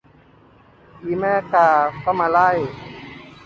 อีแม่กาก็มาไล่